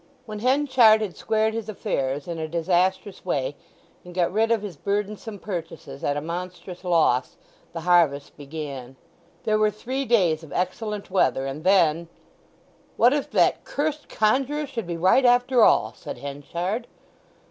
When Henchard had squared his affairs in a disastrous way, and got rid of his burdensome purchases at a monstrous loss, the harvest began. There were three days of excellent weather, and then—"What if that curst conjuror should be right after all!" said Henchard.